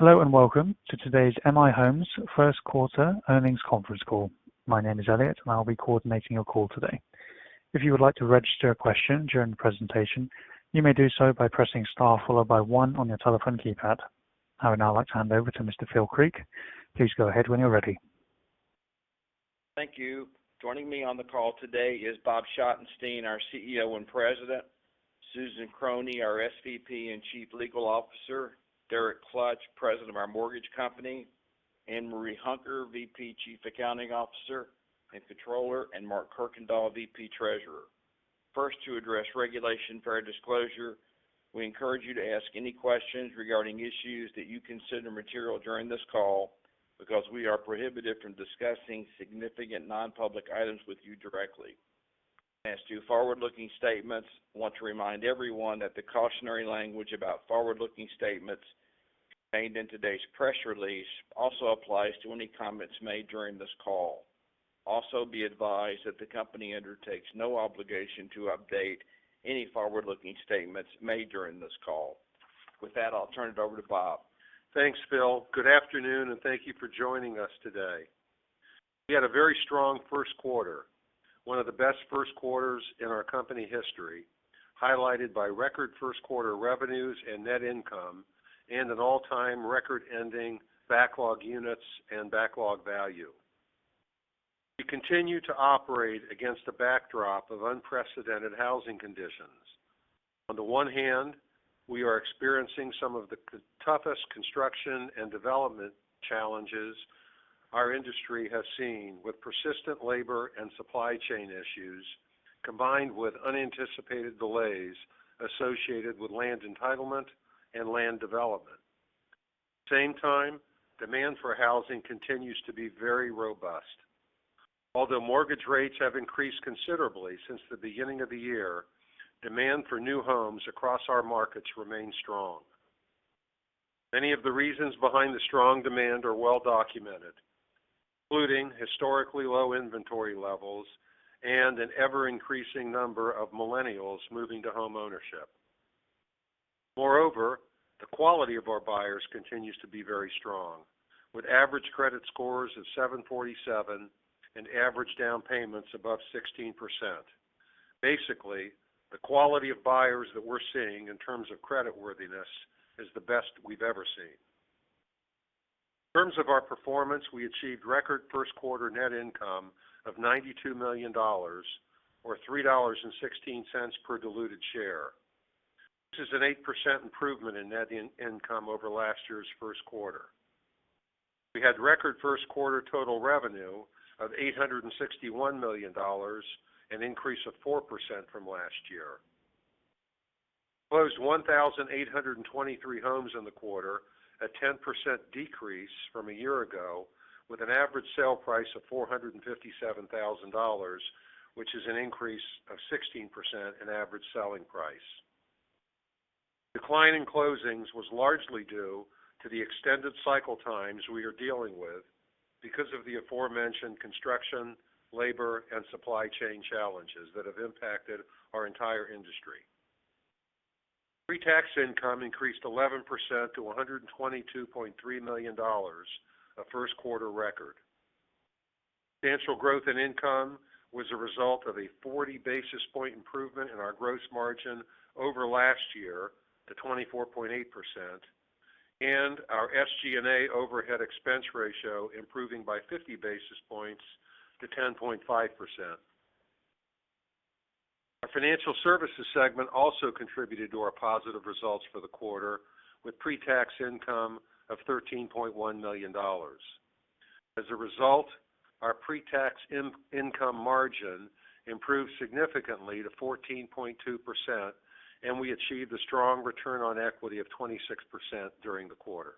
Hello, and welcome to today's M/I Homes first quarter earnings conference call. My name is Elliot, and I'll be coordinating your call today. If you would like to register a question during the presentation, you may do so by pressing Star followed by one on your telephone keypad. I would now like to hand over to Mr. Phil Creek. Please go ahead when you're ready. Thank you. Joining me on the call today is Bob Schottenstein, our CEO and President, Susan Krohne, our SVP and Chief Legal Officer, Derek Klutch, President of our mortgage company, Ann Marie Hunker, VP, Chief Accounting Officer and Controller, and Mark Kirkendall, VP and Treasurer. First, to address Regulation Fair Disclosure, we encourage you to ask any questions regarding issues that you consider material during this call because we are prohibited from discussing significant non-public items with you directly. As to forward-looking statements, I want to remind everyone that the cautionary language about forward-looking statements contained in today's press release also applies to any comments made during this call. Also, be advised that the company undertakes no obligation to update any forward-looking statements made during this call. With that, I'll turn it over to Bob. Thanks, Phil. Good afternoon, and thank you for joining us today. We had a very strong first quarter, one of the best first quarters in our company history, highlighted by record first quarter revenues and net income and an all-time record-ending backlog units and backlog value. We continue to operate against a backdrop of unprecedented housing conditions. On the one hand, we are experiencing some of the toughest construction and development challenges our industry has seen with persistent labor and supply chain issues, combined with unanticipated delays associated with land entitlement and land development. Same time, demand for housing continues to be very robust. Although mortgage rates have increased considerably since the beginning of the year, demand for new homes across our markets remain strong. Many of the reasons behind the strong demand are well documented, including historically low inventory levels and an ever-increasing number of millennials moving to homeownership. Moreover, the quality of our buyers continues to be very strong with average credit scores of 747 and average down payments above 16%. Basically, the quality of buyers that we're seeing in terms of creditworthiness is the best we've ever seen. In terms of our performance, we achieved record first quarter net income of $92 million or $3.16 per diluted share. This is an 8% improvement in net income over last year's first quarter. We had record first quarter total revenue of $861 million, an increase of 4% from last year. Closed 1,823 homes in the quarter, a 10% decrease from a year ago with an average sale price of $457,000, which is an increase of 16% in average selling price. Decline in closings was largely due to the extended cycle times we are dealing with because of the aforementioned construction, labor, and supply chain challenges that have impacted our entire industry. Pre-tax income increased 11% to $122.3 million, a first quarter record. Substantial growth in income was a result of a 40 basis points improvement in our gross margin over last year to 24.8%, and our SG&A overhead expense ratio improving by 50 basis points to 10.5%. Our Financial Services segment also contributed to our positive results for the quarter with pre-tax income of $13.1 million. As a result, our pre-tax income margin improved significantly to 14.2%, and we achieved a strong return on equity of 26% during the quarter.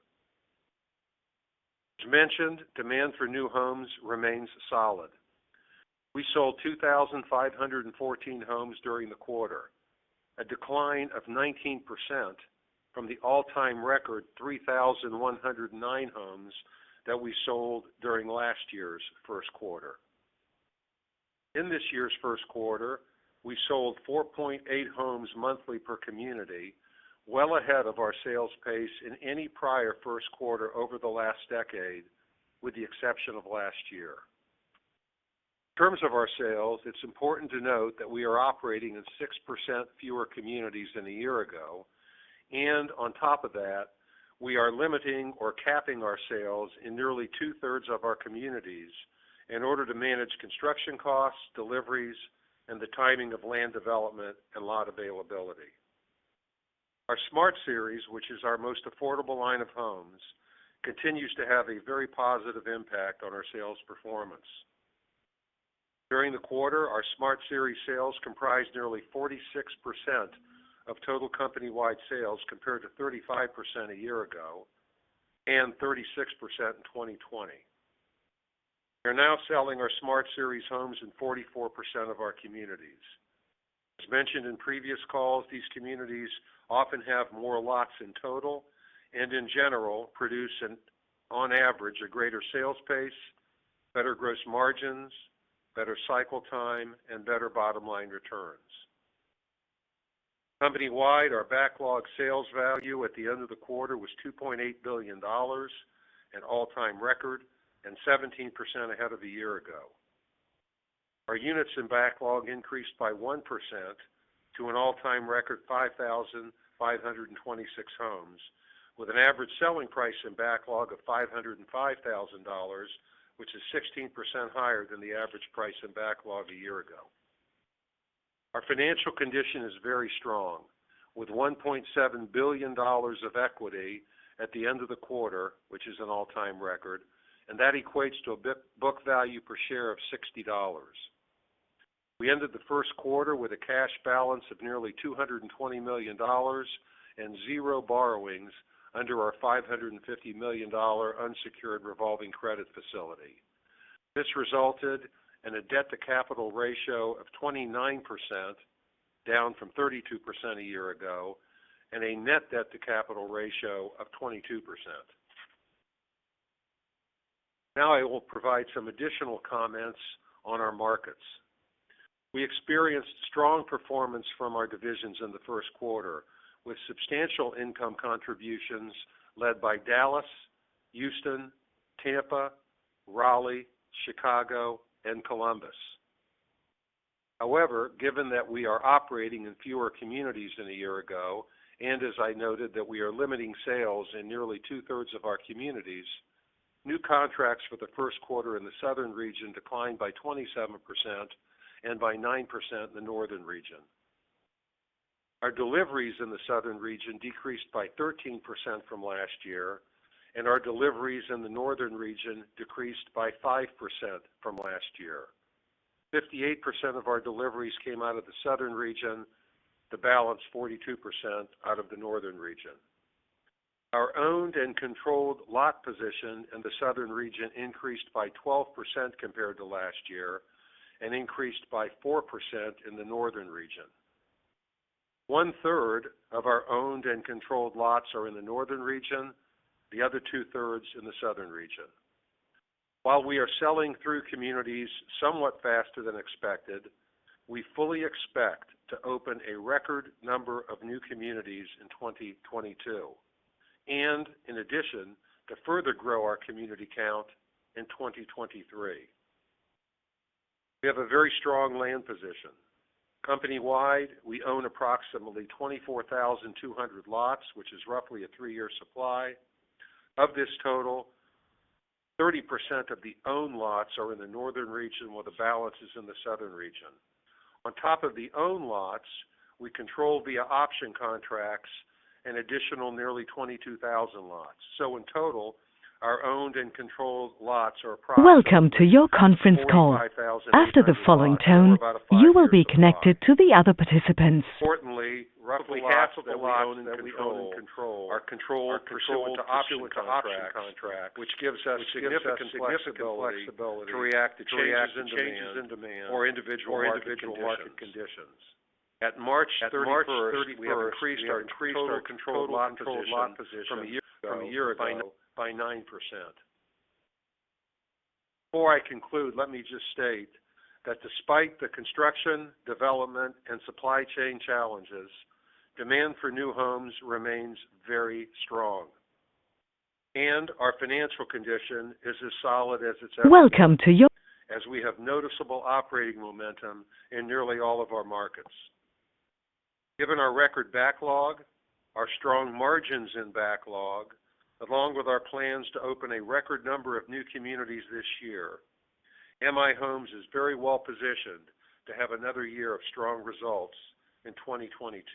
As mentioned, demand for new homes remains solid. We sold 2,514 homes during the quarter, a decline of 19% from the all-time record 3,109 homes that we sold during last year's first quarter. In this year's first quarter, we sold 4.8 homes monthly per community, well ahead of our sales pace in any prior first quarter over the last decade, with the exception of last year. In terms of our sales, it's important to note that we are operating in 6% fewer communities than a year ago, and on top of that, we are limiting or capping our sales in nearly two-thirds of our communities in order to manage construction costs, deliveries, and the timing of land development and lot availability. Our Smart Series, which is our most affordable line of homes, continues to have a very positive impact on our sales performance. During the quarter, our Smart Series sales comprised nearly 46% of total company-wide sales, compared to 35% a year ago and 36% in 2020. We are now selling our Smart Series homes in 44% of our communities. As mentioned in previous calls, these communities often have more lots in total and, in general, produce, on average, a greater sales pace, better gross margins, better cycle time, and better bottom line returns. Company-wide, our backlog sales value at the end of the quarter was $2.8 billion, an all-time record, and 17% ahead of a year ago. Our units in backlog increased by 1% to an all-time record 5,526 homes, with an average selling price in backlog of $505,000, which is 16% higher than the average price in backlog a year ago. Our financial condition is very strong, with $1.7 billion of equity at the end of the quarter, which is an all-time record, and that equates to a book value per share of $60. We ended the first quarter with a cash balance of nearly $220 million and zero borrowings under our $550 million unsecured revolving credit facility. This resulted in a debt-to-capital ratio of 29%, down from 32% a year ago, and a net debt-to-capital ratio of 22%. Now I will provide some additional comments on our markets. We experienced strong performance from our divisions in the first quarter, with substantial income contributions led by Dallas, Houston, Tampa, Raleigh, Chicago, and Columbus. However, given that we are operating in fewer communities than a year ago, and as I noted that we are limiting sales in nearly 2/3 of our communities, new contracts for the first quarter in the Southern region declined by 27% and by 9% in the Northern region. Our deliveries in the Southern region decreased by 13% from last year, and our deliveries in the Northern region decreased by 5% from last year. 58% of our deliveries came out of the Southern region, the balance 42% out of the Northern region. Our owned and controlled lot position in the Southern region increased by 12% compared to last year and increased by 4% in the Northern region. 1/3 of our owned and controlled lots are in the Northern region, the other 2/3 in the Southern region. While we are selling through communities somewhat faster than expected, we fully expect to open a record number of new communities in 2022. In addition, to further grow our community count in 2023. We have a very strong land position. Company-wide, we own approximately 24,200 lots, which is roughly a three-year supply. Of this total, 30% of the owned lots are in the Northern region, while the balance is in the Southern region. On top of the owned lots, we control via option contracts an additional nearly 22,000 lots. In total, our owned and controlled lots are approximately- Importantly, roughly half of the lots that we own and control are controlled pursuant to option contracts, which gives us significant flexibility to react to changes in demand or individual market conditions. At March 31st, we have increased our total controlled lot position from a year ago by 9%. Before I conclude, let me just state that despite the construction, development and supply chain challenges, demand for new homes remains very strong. Our financial condition is as solid as it's ever been. As we have noticeable operating momentum in nearly all of our markets. Given our record backlog, our strong margins in backlog, along with our plans to open a record number of new communities this year, M/I Homes is very well positioned to have another year of strong results in 2022.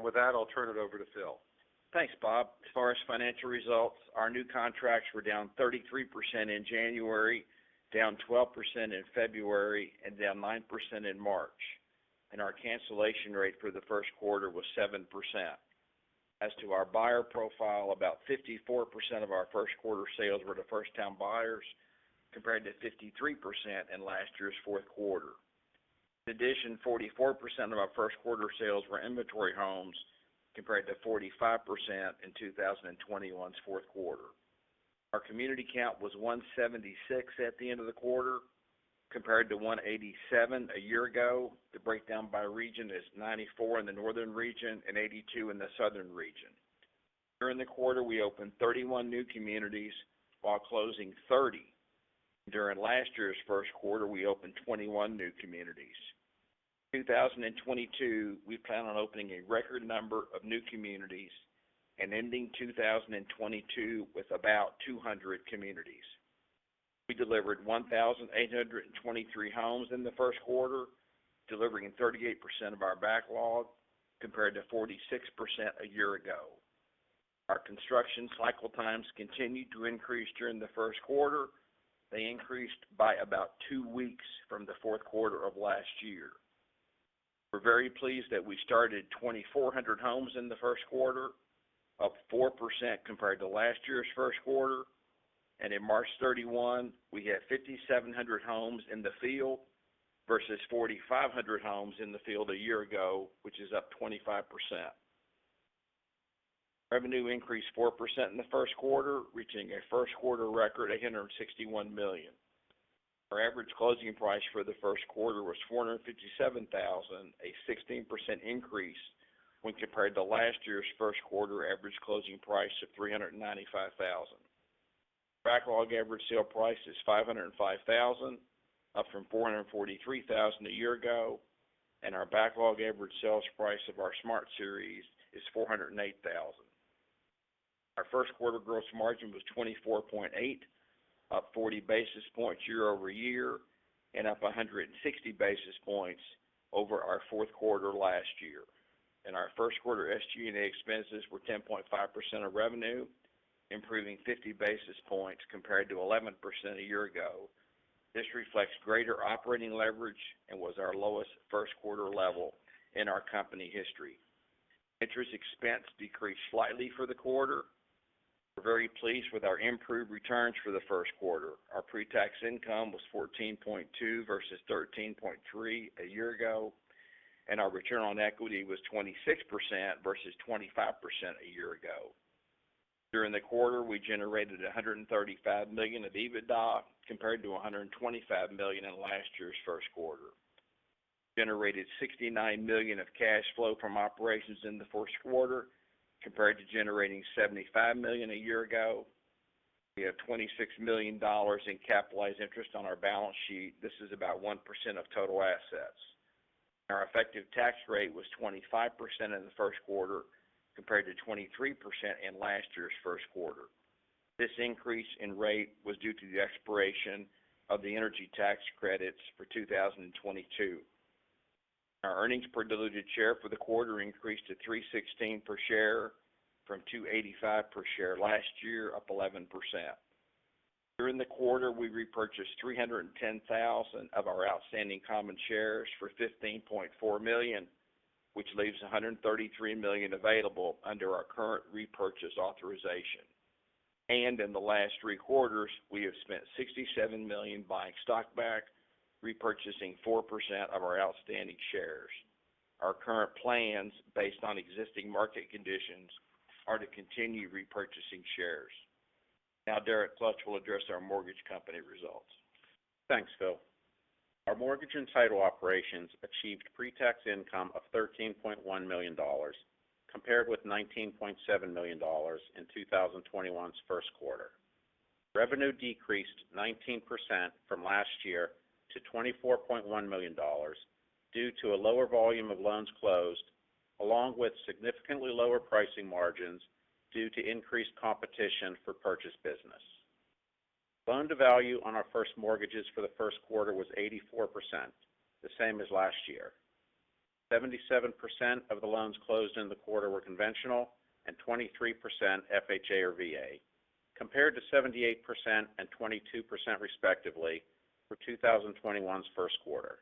With that, I'll turn it over to Phil. Thanks, Bob. As far as financial results, our new contracts were down 33% in January, down 12% in February, and down 9% in March. Our cancellation rate for the first quarter was 7%. As to our buyer profile, about 54% of our first quarter sales were to first-time buyers, compared to 53% in last year's fourth quarter. In addition, 44% of our first quarter sales were inventory homes, compared to 45% in 2021's fourth quarter. Our community count was 176 at the end of the quarter, compared to 187 a year ago. The breakdown by region is 94 in the Northern region and 82 in the Southern region. During the quarter, we opened 31 new communities while closing 30. During last year's first quarter, we opened 21 new communities. In 2022, we plan on opening a record number of new communities and ending 2022 with about 200 communities. We delivered 1,823 homes in the first quarter, delivering 38% of our backlog, compared to 46% a year ago. Our construction cycle times continued to increase during the first quarter. They increased by about 2 weeks from the fourth quarter of last year. We're very pleased that we started 2,400 homes in the first quarter, up 4% compared to last year's first quarter. In March 31, we had 5,700 homes in the field versus 4,500 homes in the field a year ago, which is up 25%. Revenue increased 4% in the first quarter, reaching a first quarter record, $861 million. Our average closing price for the first quarter was $457,000, a 16% increase when compared to last year's first quarter average closing price of $395,000. Backlog average sale price is $505,000, up from $443,000 a year ago, and our backlog average sales price of our Smart Series is $408,000. Our first quarter gross margin was 24.8%, up 40 basis points year-over-year, and up 160 basis points over our fourth quarter last year. Our first quarter SG&A expenses were 10.5% of revenue, improving 50 basis points compared to 11% a year ago. This reflects greater operating leverage and was our lowest first quarter level in our company history. Interest expense decreased slightly for the quarter. We're very pleased with our improved returns for the first quarter. Our pre-tax income was $14.2 versus $13.3 a year ago, and our return on equity was 26% versus 25% a year ago. During the quarter, we generated $135 million of EBITDA compared to $125 million in last year's first quarter. Generated $69 million of cash flow from operations in the first quarter compared to generating $75 million a year ago. We have $26 million in capitalized interest on our balance sheet. This is about 1% of total assets. Our effective tax rate was 25% in the first quarter compared to 23% in last year's first quarter. This increase in rate was due to the expiration of the energy tax credits for 2022. Our earnings per diluted share for the quarter increased to $3.16 per share from $2.85 per share last year, up 11%. During the quarter, we repurchased 310,000 of our outstanding common shares for $15.4 million, which leaves $133 million available under our current repurchase authorization. In the last three quarters, we have spent $67 million buying stock back, repurchasing 4% of our outstanding shares. Our current plans based on existing market conditions are to continue repurchasing shares. Now, Derek Klutch will address our mortgage company results. Thanks, Phil. Our mortgage and title operations achieved pre-tax income of $13.1 million compared with $19.7 million in 2021's first quarter. Revenue decreased 19% from last year to $24.1 million due to a lower volume of loans closed, along with significantly lower pricing margins due to increased competition for purchase business. loan-to-value on our first mortgages for the first quarter was 84%, the same as last year. 77% of the loans closed in the quarter were conventional and 23% FHA or VA, compared to 78% and 22% respectively for 2021's first quarter.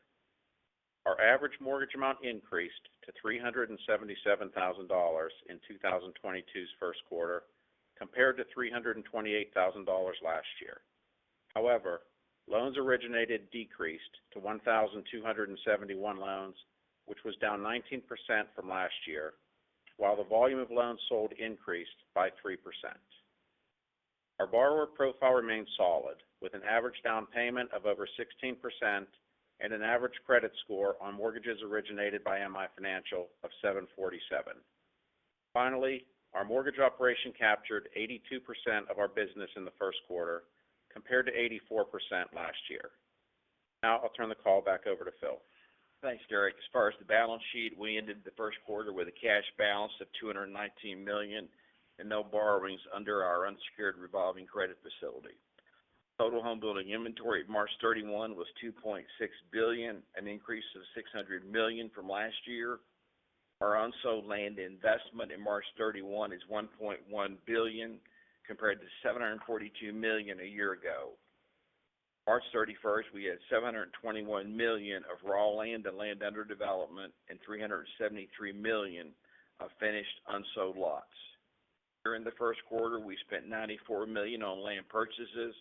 Our average mortgage amount increased to $377,000 in 2022's first quarter compared to $328,000 last year. However, loans originated decreased to 1,271 loans, which was down 19% from last year, while the volume of loans sold increased by 3%. Our borrower profile remains solid with an average down payment of over 16% and an average credit score on mortgages originated by M/I Financial of 747. Finally, our mortgage operation captured 82% of our business in the first quarter compared to 84% last year. Now I'll turn the call back over to Phil. Thanks, Derek. As far as the balance sheet, we ended the first quarter with a cash balance of $219 million and no borrowings under our unsecured revolving credit facility. Total home building inventory at March 31 was $2.6 billion, an increase of $600 million from last year. Our unsold land investment at March 31 is $1.1 billion, compared to $742 million a year ago. March 31st, we had $721 million of raw land and land under development and $373 million of finished unsold lots. During the first quarter, we spent $94 million on land purchases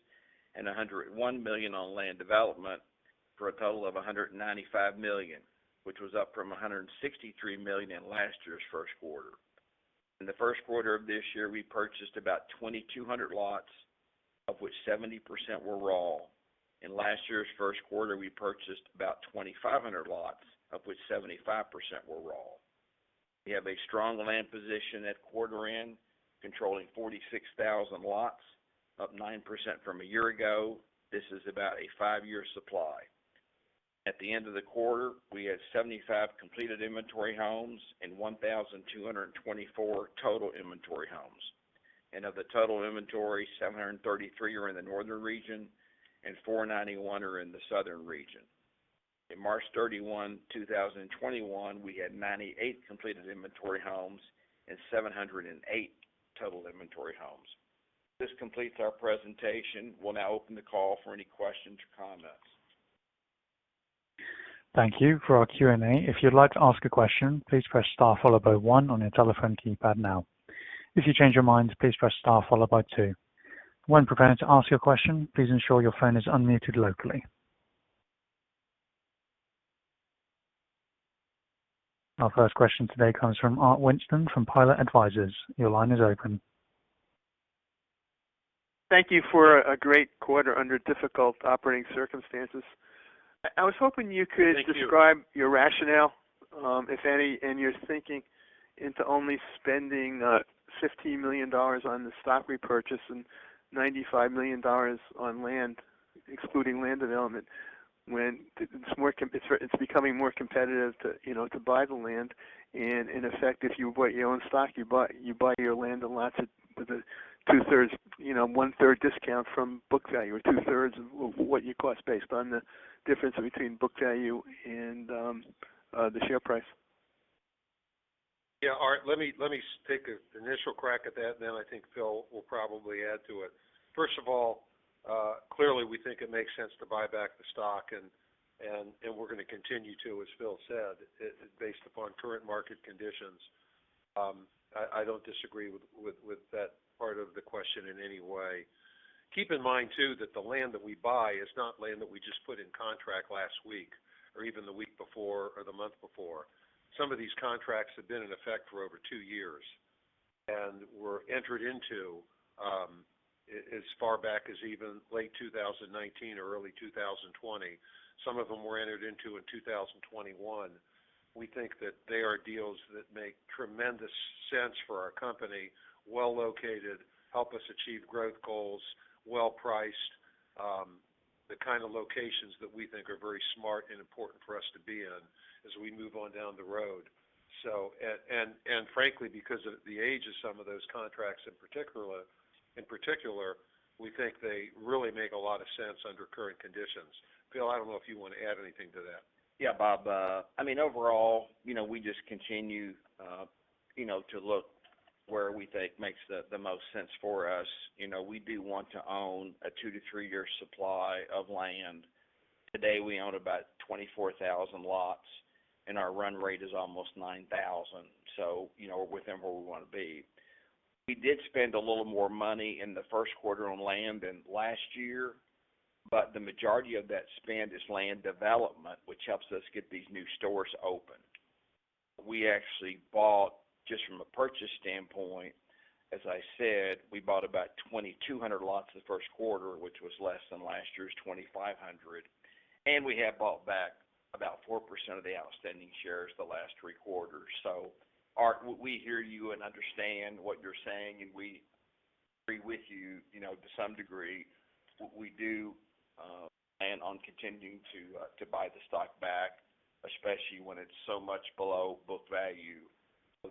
and $101 million on land development for a total of $195 million, which was up from $163 million in last year's first quarter. In the first quarter of this year, we purchased about 2,200 lots, of which 70% were raw. In last year's first quarter, we purchased about 2,500 lots, of which 75% were raw. We have a strong land position at quarter-end, controlling 46,000 lots, up 9% from a year ago. This is about a 5-year supply. At the end of the quarter, we had 75 completed inventory homes and 1,224 total inventory homes. Of the total inventory, 733 are in the northern region and 491 are in the southern region. In March 31, 2021, we had 98 completed inventory homes and 708 total inventory homes. This completes our presentation. We'll now open the call for any questions or comments. Thank you. For our Q&A, if you'd like to ask a question, please press Star followed by one on your telephone keypad now. If you change your mind, please press Star followed by two. When preparing to ask your question, please ensure your phone is unmuted locally. Our first question today comes from Art Winston from Pilot Advisors. Your line is open. Thank you for a great quarter under difficult operating circumstances. I was hoping you could. Thank you. Describe your rationale, if any, in your thinking into only spending $50 million on the stock repurchase and $95 million on land, excluding land development, when it's more competitive to buy the land. In effect, if you bought your own stock, you buy your land lots at, with a two-thirds, you know, one-third discount from book value or 2/3 of what you cost based on the difference between book value and the share price. Yeah. Art, let me take an initial crack at that, and then I think Phil will probably add to it. First of all, clearly, we think it makes sense to buy back the stock, and we're gonna continue to, as Phil said, based upon current market conditions. I don't disagree with that part of the question in any way. Keep in mind too that the land that we buy is not land that we just put under contract last week or even the week before or the month before. Some of these contracts have been in effect for over two years and were entered into as far back as even late 2019 or early 2020. Some of them were entered into in 2021. We think that they are deals that make tremendous sense for our company, well located, help us achieve growth goals, well-priced, the kind of locations that we think are very smart and important for us to be in as we move on down the road. And frankly, because of the age of some of those contracts in particular, we think they really make a lot of sense under current conditions. Phil, I don't know if you want to add anything to that. Yeah. Bob, I mean, overall, you know, we just continue, you know, to look where we think makes the most sense for us. You know, we do want to own a two- to three-year supply of land. Today, we own about 24,000 lots, and our run rate is almost 9,000. So, you know, we're within where we wanna be. We did spend a little more money in the first quarter on land than last year, but the majority of that spend is land development, which helps us get these new stores open. We actually bought, just from a purchase standpoint, as I said, we bought about 2,200 lots in the first quarter, which was less than last year's 2,500. We have bought back about 4% of the outstanding shares the last three quarters. Art, we hear you and understand what you're saying, and we agree with you know, to some degree. We do plan on continuing to buy the stock back, especially when it's so much below book value.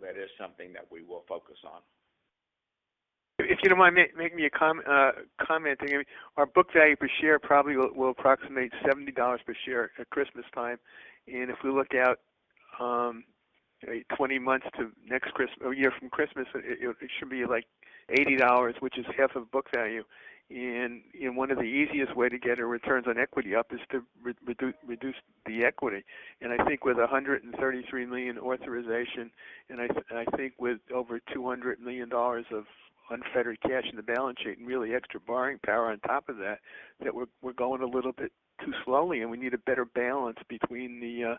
That is something that we will focus on. If you don't mind me making a comment to you. Our book value per share probably will approximate $70 per share at Christmas time. If we look out 20 months to next Christmas, a year from Christmas, it should be, like, $80, which is half of book value. One of the easiest way to get our returns on equity up is to reduce the equity. I think with a $133 million authorization, and I think with over $200 million of unfettered cash in the balance sheet and really extra borrowing power on top of that we're going a little bit too slowly, and we need a better balance between the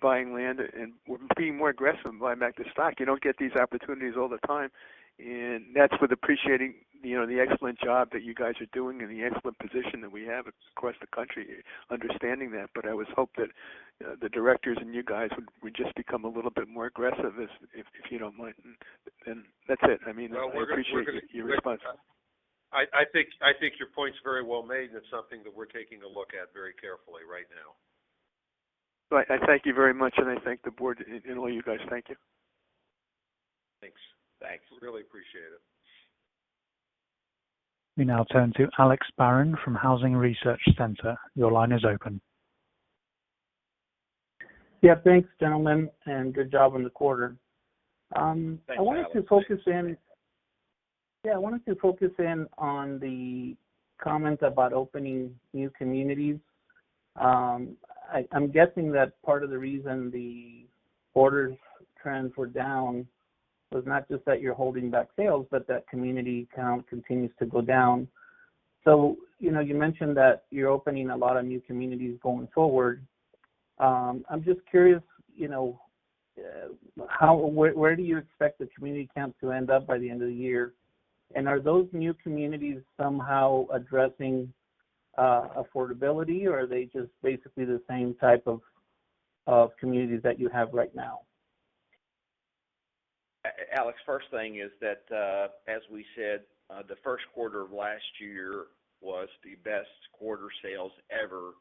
buying land and being more aggressive in buying back the stock. You don't get these opportunities all the time, and that's what I appreciate, you know, the excellent job that you guys are doing and the excellent position that we have across the country, understanding that. I was hoping that the Directors and you guys would just become a little bit more aggressive, if you don't mind. That's it. I mean, I appreciate your response. Well, I think your point is very well made, and it's something that we're taking a look at very carefully right now. Right. I thank you very much, and I thank the board and all you guys. Thank you. Thanks. Thanks. Really appreciate it. We now turn to Alex Barron from Housing Research Center. Your line is open. Yeah. Thanks, gentlemen, and good job on the quarter. Thanks, Alex. I wanted to focus in on the comments about opening new communities. I'm guessing that part of the reason the order trends were down was not just that you're holding back sales, but that community count continues to go down. You know, you mentioned that you're opening a lot of new communities going forward. I'm just curious, you know, where do you expect the community count to end up by the end of the year? Are those new communities somehow addressing affordability, or are they just basically the same type of communities that you have right now? Alex, first thing is that, as we said, the first quarter of last year was the best quarter sales ever.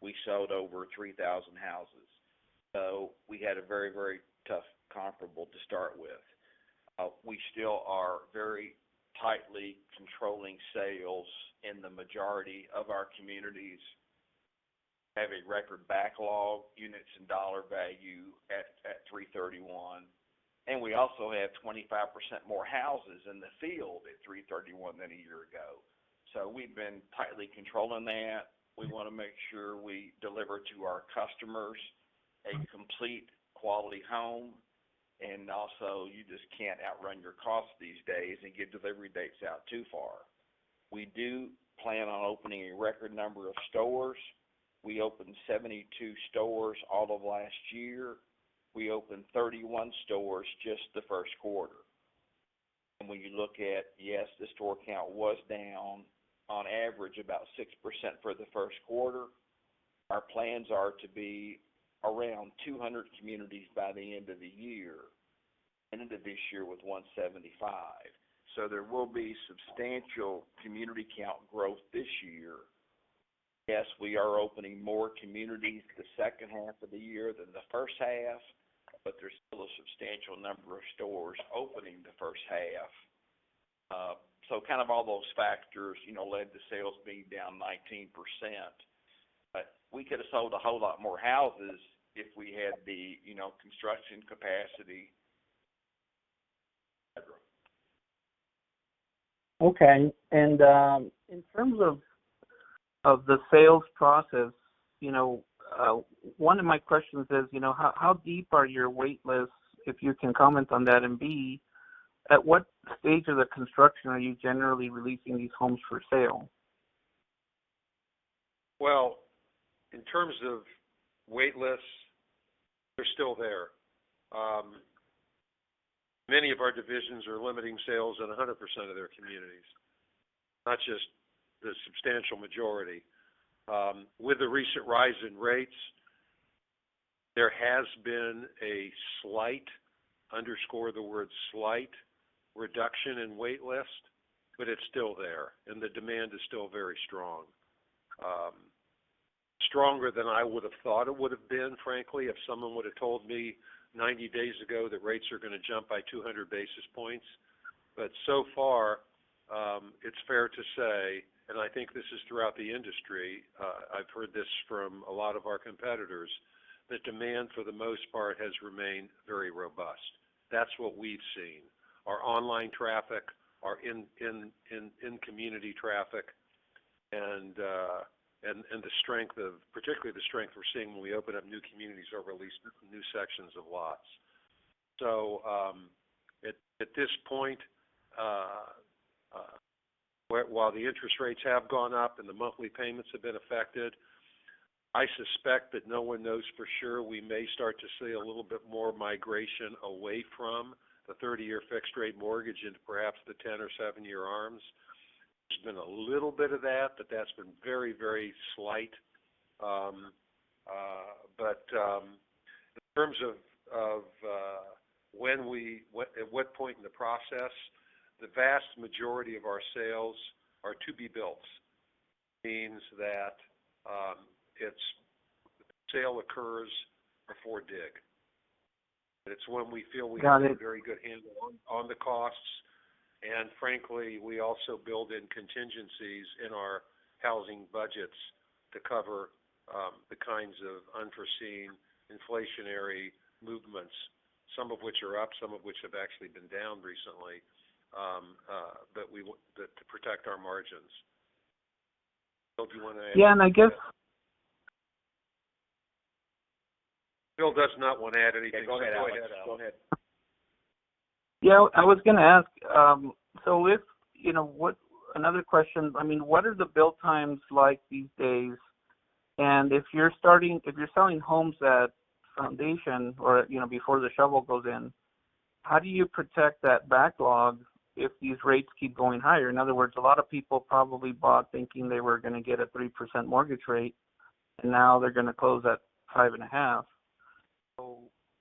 We sold over 3,000 houses. We had a very, very tough comparable to start with. We still are very tightly controlling sales in the majority of our communities, have a record backlog, units and dollar value at 3/31, and we also have 25% more houses in the field at 3/31 than a year ago. We've been tightly controlling that. We wanna make sure we deliver to our customers a complete quality home. You just can't outrun your costs these days and get delivery dates out too far. We do plan on opening a record number of stores. We opened 72 stores all of last year. We opened 31 stores just the first quarter. When you look at, yes, the store count was down on average about 6% for the first quarter. Our plans are to be around 200 communities by the end of the year. Ended of this year with 175. There will be substantial community count growth this year. Yes, we are opening more communities the second half of the year than the first half, but there's still a substantial number of stores opening the first half. Kind of all those factors, you know, led to sales being down 19%. We could have sold a whole lot more houses if we had the, you know, construction capacity, et cetera. Okay. In terms of the sales process, you know, one of my questions is, you know, how deep are your wait lists, if you can comment on that, and B, at what stage of the construction are you generally releasing these homes for sale? Well, in terms of wait lists, they're still there. Many of our divisions are limiting sales at 100% of their communities, not just the substantial majority. With the recent rise in rates, there has been a slight, underscore the word slight, reduction in wait list, but it's still there, and the demand is still very strong. Stronger than I would have thought it would have been, frankly, if someone would have told me 90 days ago that rates are going to jump by 200 basis points. So far, it's fair to say, and I think this is throughout the industry, I've heard this from a lot of our competitors, that demand for the most part has remained very robust. That's what we've seen. Our online traffic, our in-community traffic, and the strength of. Particularly the strength we're seeing when we open up new communities or release new sections of lots. At this point, while the interest rates have gone up and the monthly payments have been affected, I suspect that no one knows for sure. We may start to see a little bit more migration away from the 30-year fixed rate mortgage into perhaps the 10- or 7-year ARMs. There's been a little bit of that, but that's been very, very slight. In terms of at what point in the process, the vast majority of our sales are to be builts. Means that, its sale occurs before dig. It's when we feel we have Got it. a very good handle on the costs. Frankly, we also build in contingencies in our housing budgets to cover the kinds of unforeseen inflationary movements, some of which are up, some of which have actually been down recently, but we want that to protect our margins. Bill, do you want to add anything? Yeah, I guess. Phil does not want to add anything to that, Alex. Okay. Go ahead. Yeah, I was going to ask, Another question, I mean, what are the build times like these days? If you're selling homes at foundation or, you know, before the shovel goes in, how do you protect that backlog if these rates keep going higher? In other words, a lot of people probably bought thinking they were going to get a 3% mortgage rate, and now they're going to close at 5.5%.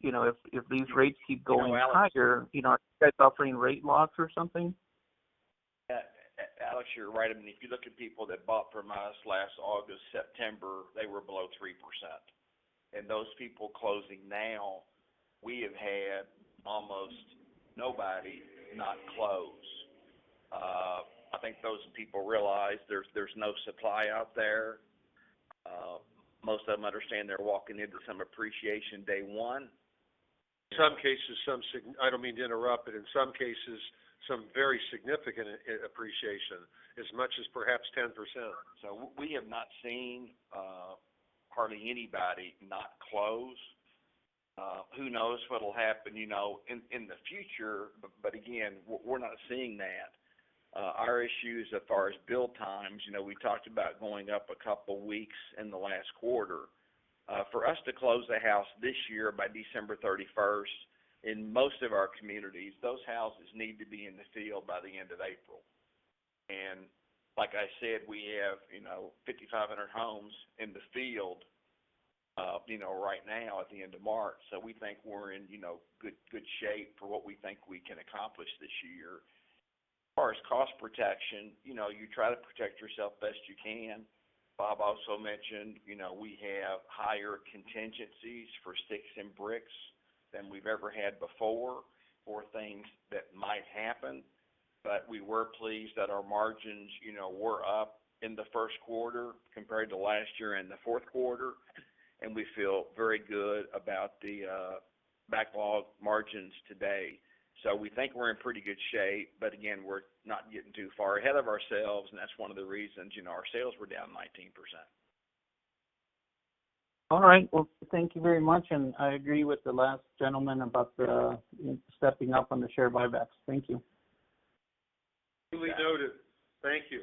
You know, if these rates keep going higher, you know, are you guys offering rate locks or something? Alex, you're right. I mean, if you look at people that bought from us last August, September, they were below 3%. Those people closing now, we have had almost nobody not close. I think those people realize there's no supply out there. Most of them understand they're walking into some appreciation day one. In some cases, I don't mean to interrupt, but in some cases, some very significant appreciation, as much as perhaps 10%. We have not seen hardly anybody not close. Who knows what'll happen, you know, in the future, but again, we're not seeing that. Our issues as far as build times, you know, we talked about going up a couple weeks in the last quarter. For us to close the house this year by December 31st, in most of our communities, those houses need to be in the field by the end of April. Like I said, we have, you know, 5,500 homes in the field, you know, right now at the end of March. We think we're in, you know, good shape for what we think we can accomplish this year. As far as cost protection, you know, you try to protect yourself best you can. Bob also mentioned, you know, we have higher contingencies for sticks and bricks than we've ever had before for things that might happen. We were pleased that our margins, you know, were up in the first quarter compared to last year and the fourth quarter, and we feel very good about the backlog margins today. We think we're in pretty good shape, but again, we're not getting too far ahead of ourselves, and that's one of the reasons, you know, our sales were down 19%. All right. Well, thank you very much, and I agree with the last gentleman about the stepping up on the share buybacks. Thank you. Duly noted. Thank you.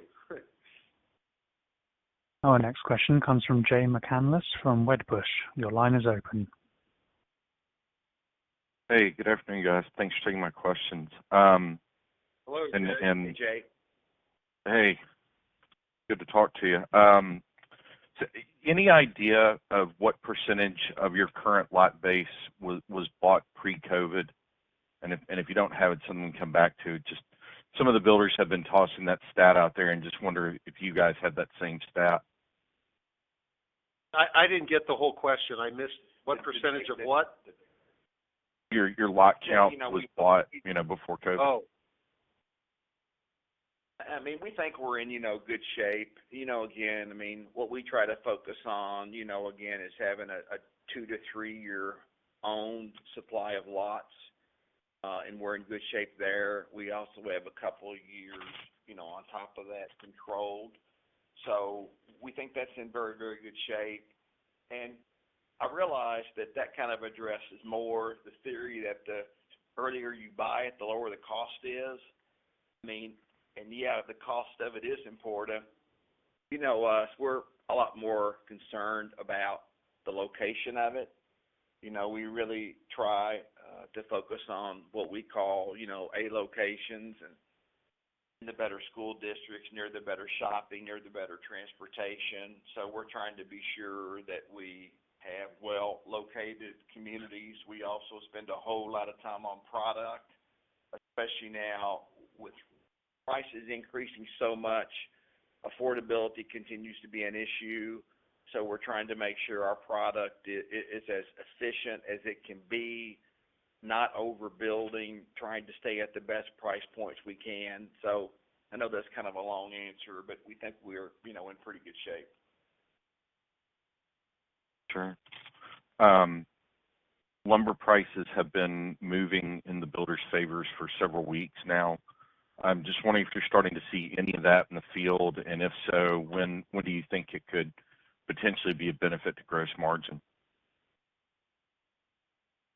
Our next question comes from Jay McCanless from Wedbush. Your line is open. Hey, good afternoon, guys. Thanks for taking my questions. Hello, Jay. Hey, Jay. Hey, good to talk to you. So any idea of what percentage of your current lot base was bought pre-COVID? If you don't have it, something we can come back to. Just some of the builders have been tossing that stat out there and just wonder if you guys have that same stat. I didn't get the whole question. I missed what percentage of what? Your lot count was bought, you know, before COVID. I mean, we think we're in, you know, good shape. You know, again, I mean, what we try to focus on, you know, again, is having a two to three-year owned supply of lots, and we're in good shape there. We also have a couple of years, you know, on top of that controlled. We think that's in very, very good shape. I realize that that kind of addresses more the theory that the earlier you buy it, the lower the cost is. I mean, yeah, the cost of it is important. You know us, we're a lot more concerned about the location of it. You know, we really try to focus on what we call, you know, A locations and the better school districts, near the better shopping, near the better transportation. We're trying to be sure that we have well-located communities. We also spend a whole lot of time on product, especially now with prices increasing so much, affordability continues to be an issue. We're trying to make sure our product is as efficient as it can be, not overbuilding, trying to stay at the best price points we can. I know that's kind of a long answer, but we think we're, you know, in pretty good shape. Sure. Lumber prices have been moving in the builders' favors for several weeks now. I'm just wondering if you're starting to see any of that in the field, and if so, when do you think it could potentially be a benefit to gross margin?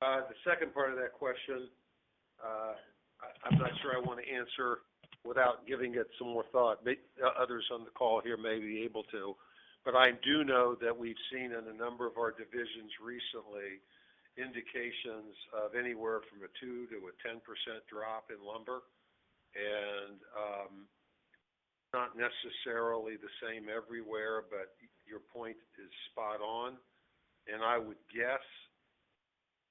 The second part of that question, I'm not sure I want to answer without giving it some more thought. Others on the call here may be able to. I do know that we've seen in a number of our divisions recently indications of anywhere from 2%-10% drop in lumber. Not necessarily the same everywhere, but your point is spot on. I would guess,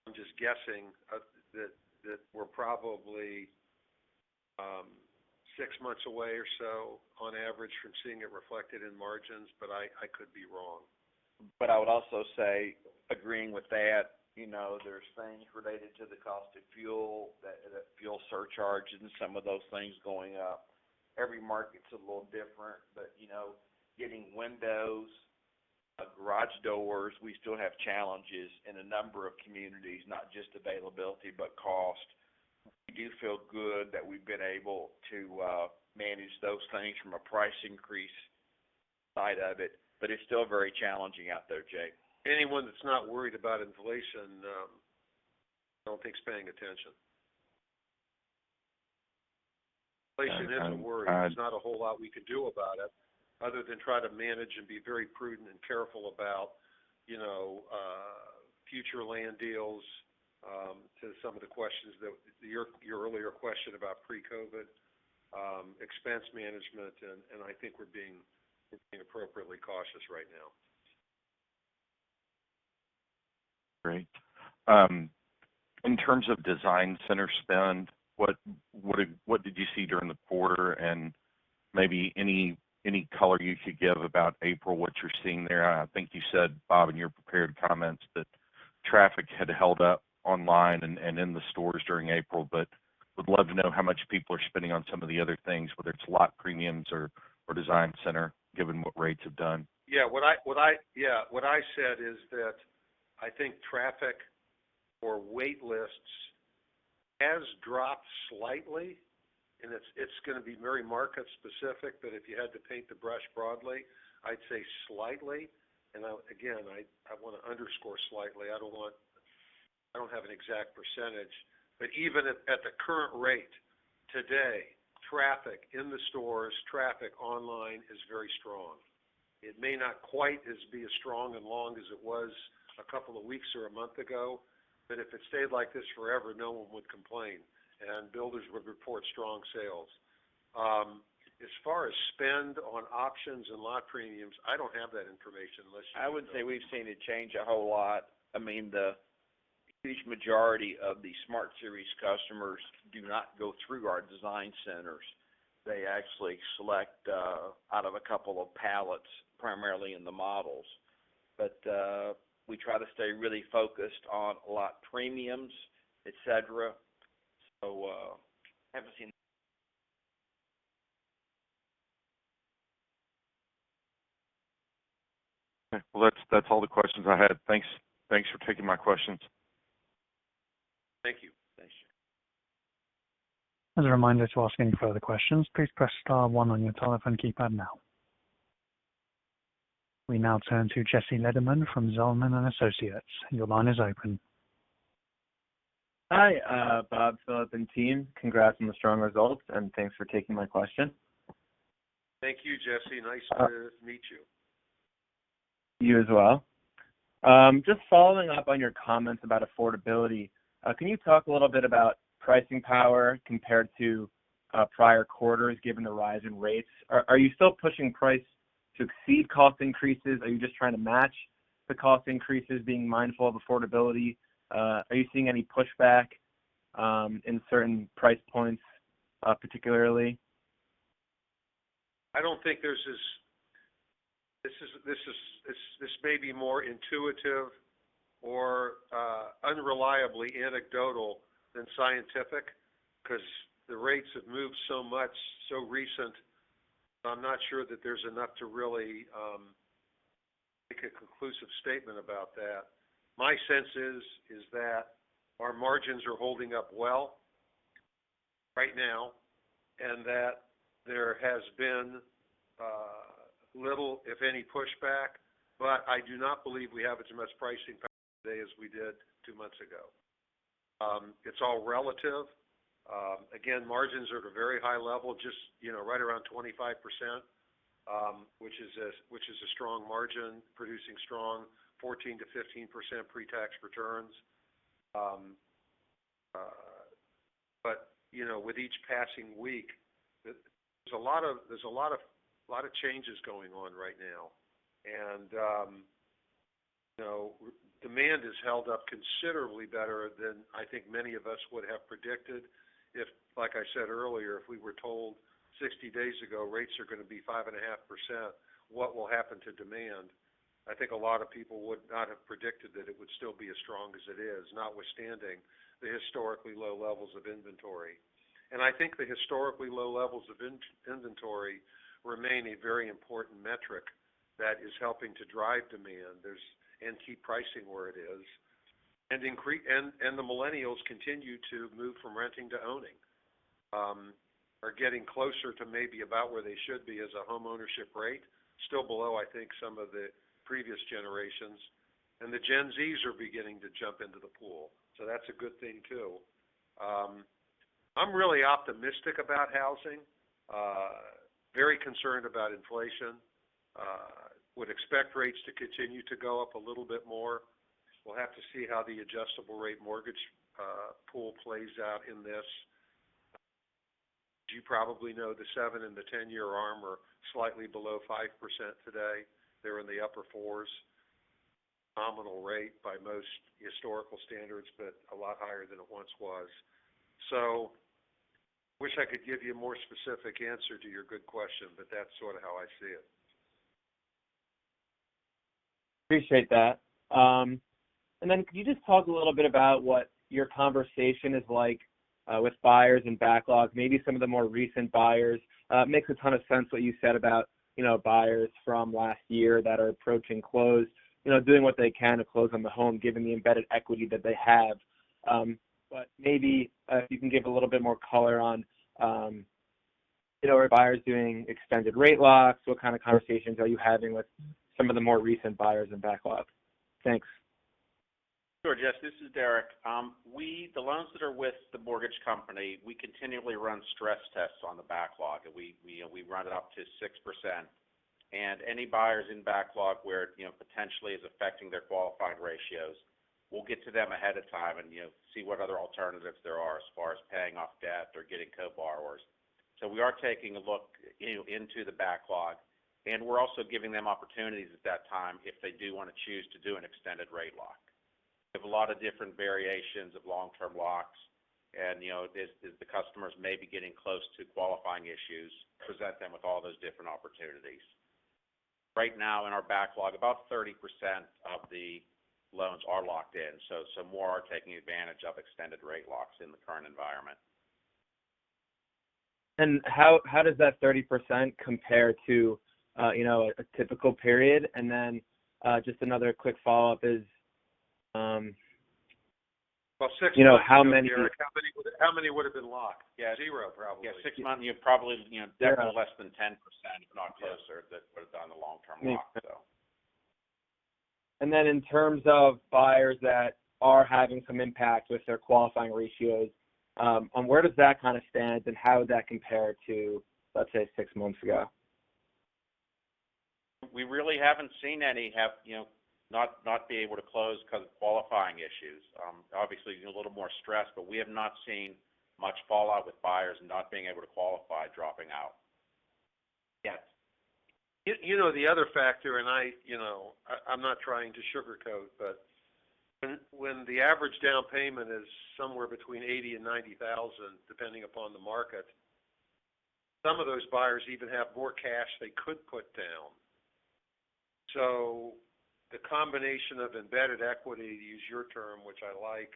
I'm just guessing that we're probably six months away or so on average from seeing it reflected in margins, but I could be wrong. I would also say, agreeing with that, you know, there's things related to the cost of fuel, the fuel surcharge and some of those things going up. Every market's a little different, but, you know, getting windows, garage doors, we still have challenges in a number of communities, not just availability, but cost. We do feel good that we've been able to, manage those things from a price increase side of it, but it's still very challenging out there, Jay. Anyone that's not worried about inflation, I don't think is paying attention. And, and I- Inflation is a worry. There's not a whole lot we can do about it other than try to manage and be very prudent and careful about, you know, future land deals. Your earlier question about pre-COVID expense management, and I think we're being appropriately cautious right now. Great. In terms of design center spend, what did you see during the quarter and maybe any color you could give about April, what you're seeing there? I think you said, Bob, in your prepared comments that traffic had held up online and in the stores during April, but would love to know how much people are spending on some of the other things, whether it's lot premiums or design center, given what rates have done. What I said is that I think traffic or wait lists has dropped slightly, and it's gonna be very market specific, but if you had to paint with a broad brush, I'd say slightly. Again, I wanna underscore slightly. I don't have an exact percentage. Even at the current rate today, traffic in the stores, traffic online is very strong. It may not be quite as strong and long as it was a couple of weeks or a month ago, but if it stayed like this forever, no one would complain and builders would report strong sales. As far as spend on options and lot premiums, I don't have that information unless you do, Bob. I would say we've seen it change a whole lot. I mean, the huge majority of the Smart Series customers do not go through our design centers. They actually select out of a couple of palettes, primarily in the models. We try to stay really focused on lot premiums, et cetera. I haven't seen Okay. Well, that's all the questions I had. Thanks. Thanks for taking my questions. As a reminder to ask any further questions, please press Star one on your telephone keypad now. We now turn to Jesse Lederman from Zelman & Associates. Your line is open. Hi, Bob, Phil, and team. Congrats on the strong results, and thanks for taking my question. Thank you, Jesse. Nice to meet you. You as well. Just following up on your comments about affordability, can you talk a little bit about pricing power compared to prior quarters given the rise in rates? Are you still pushing price to exceed cost increases? Are you just trying to match the cost increases being mindful of affordability? Are you seeing any pushback in certain price points, particularly? This may be more intuitive or unreliably anecdotal than scientific because the rates have moved so much so recently. I'm not sure that there's enough to really make a conclusive statement about that. My sense is that our margins are holding up well right now and that there has been little, if any, pushback, but I do not believe we have as much pricing power today as we did two months ago. It's all relative. Again, margins are at a very high level, just, you know, right around 25%, which is a strong margin producing strong 14%-15% pre-tax returns. You know, with each passing week, there's a lot of changes going on right now. You know, demand has held up considerably better than I think many of us would have predicted. If like I said earlier, if we were told 60 days ago, rates are going to be 5.5%, what will happen to demand? I think a lot of people would not have predicted that it would still be as strong as it is, notwithstanding the historically low levels of inventory. I think the historically low levels of inventory remain a very important metric that is helping to drive demand and keep pricing where it is. The millennials continue to move from renting to owning, are getting closer to maybe about where they should be as a homeownership rate still below, I think, some of the previous generations. Gen Z is beginning to jump into the pool. That's a good thing, too. I'm really optimistic about housing, very concerned about inflation, would expect rates to continue to go up a little bit more. We'll have to see how the adjustable-rate mortgage pool plays out in this. As you probably know, the seven- and 10-year ARM are slightly below 5% today. They're in the upper 4s. Nominal rate by most historical standards, but a lot higher than it once was. Wish I could give you a more specific answer to your good question, but that's sort of how I see it. Appreciate that. Can you just talk a little bit about what your conversation is like with buyers and backlog, maybe some of the more recent buyers? It makes a ton of sense what you said about, you know, buyers from last year that are approaching close, you know, doing what they can to close on the home, given the embedded equity that they have. Maybe you can give a little bit more color on, you know, are buyers doing extended rate locks? What kind of conversations are you having with some of the more recent buyers and backlog? Thanks. Sure, Jesse. This is Derek. The loans that are with the mortgage company, we continually run stress tests on the backlog. We, you know, run it up to 6%. Any buyers in backlog where, you know, potentially is affecting their qualifying ratios, we'll get to them ahead of time and, you know, see what other alternatives there are as far as paying off debt or getting co-borrowers. We are taking a look, you know, into the backlog, and we're also giving them opportunities at that time if they do want to choose to do an extended rate lock. We have a lot of different variations of long-term locks. You know, as the customers may be getting close to qualifying issues, present them with all those different opportunities. Right now in our backlog, about 30% of the loans are locked in, so some more are taking advantage of extended rate locks in the current environment. How does that 30% compare to, you know, a typical period? Just another quick follow-up is Well, six months ago. You know, how many How many would have been locked? Yeah. 0, probably. Yeah, six months, you have probably, you know, definitely less than 10%, if not closer, that would have done a long-term lock, so. In terms of buyers that are having some impact with their qualifying ratios, and where does that kind of stand and how does that compare to, let's say, six months ago? We really haven't seen any, you know, not be able to close 'cause of qualifying issues. Obviously a little more stress, but we have not seen much fallout with buyers not being able to qualify, dropping out. Yeah. You know, the other factor, and I, you know, I'm not trying to sugarcoat, but when the average down payment is somewhere between $80,000-$90,000, depending upon the market, some of those buyers even have more cash they could put down. The combination of embedded equity, to use your term, which I like,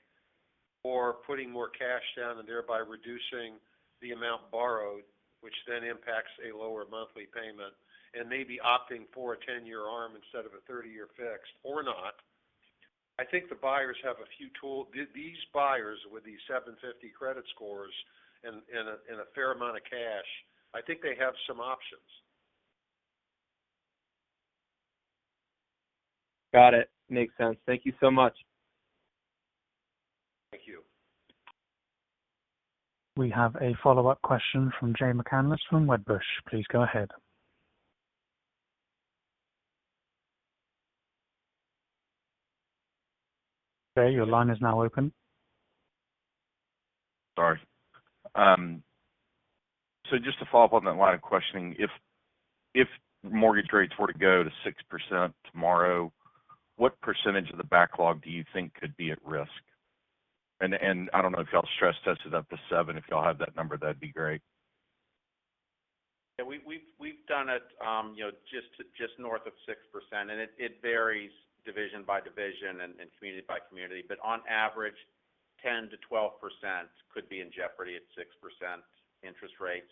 or putting more cash down and thereby reducing the amount borrowed, which then impacts a lower monthly payment, and maybe opting for a 10-year ARM instead of a 30-year fixed or not. I think the buyers have a few tools. These buyers with these 750 credit scores and a fair amount of cash, I think they have some options. Got it. Makes sense. Thank you so much. Thank you. We have a follow-up question from Jay McCanless from Wedbush. Please go ahead. Jay, your line is now open. Sorry. Just to follow-up on that line of questioning, if mortgage rates were to go to 6% tomorrow, what percentage of the backlog do you think could be at risk? I don't know if y'all stress test it up to 7%. If y'all have that number, that'd be great. Yeah. We've done it, you know, just north of 6%, and it varies division by division and community by community. On average, 10%-12% could be in jeopardy at 6% interest rates.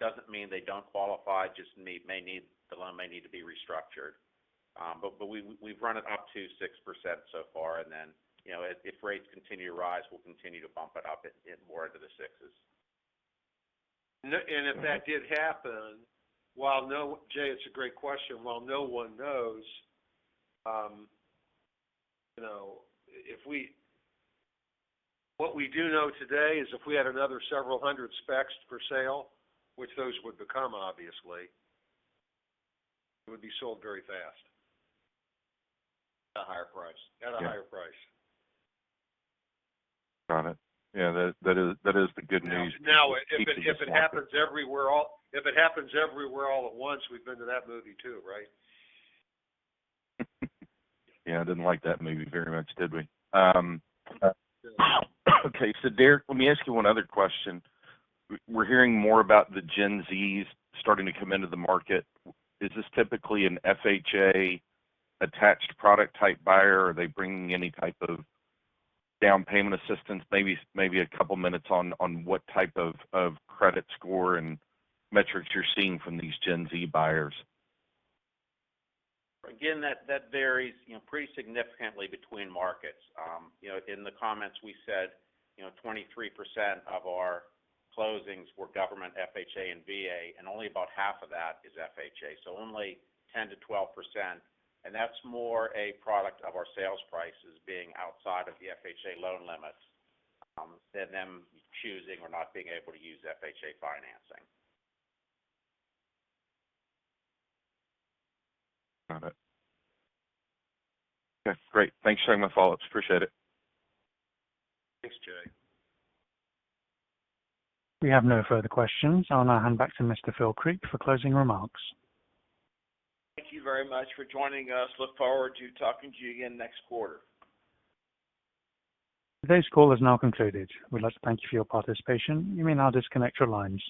Doesn't mean they don't qualify, just the loan may need to be restructured. We've run it up to 6% so far, and then, you know, if rates continue to rise, we'll continue to bump it up more into the sixes. If that did happen, Jay, it's a great question. While no one knows, you know, what we do know today is if we had another several hundred specs for sale, which those would become obviously, it would be sold very fast. At a higher price. At a higher price. Got it. Yeah, that is the good news. If it happens everywhere all at once, we've been to that movie too, right? Yeah, didn't like that movie very much, did we? Okay. Derek, let me ask you one other question. We're hearing more about the Gen Z's starting to come into the market. Is this typically an FHA attached product type buyer? Are they bringing any type of down payment assistance? Maybe a couple minutes on what type of credit score and metrics you're seeing from these Gen Z buyers. Again, that varies, you know, pretty significantly between markets. You know, in the comments we said, you know, 23% of our closings were government FHA and VA, and only about half of that is FHA. Only 10%-12%, and that's more a product of our sales prices being outside of the FHA loan limits than them choosing or not being able to use FHA financing. Got it. Okay, great. Thanks for taking my follow-ups. Appreciate it. Thanks, Jay. We have no further questions. I'll now hand back to Mr. Phil Creek for closing remarks. Thank you very much for joining us. Look forward to talking to you again next quarter. Today's call has now concluded. We'd like to thank you for your participation. You may now disconnect your lines.